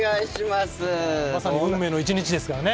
まさに「運命の１日」ですからね